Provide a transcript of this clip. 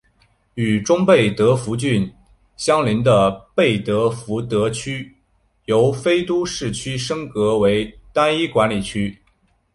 与中贝德福德郡相邻的贝德福德区由非都市区升格为单一管理区。